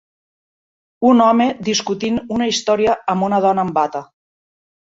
Un home discutint una història amb una dona en bata.